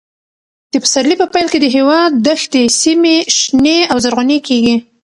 د پسرلي په پیل کې د هېواد دښتي سیمې شنې او زرغونې کېږي.